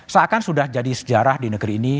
seakan sudah jadi sejarah di negeri ini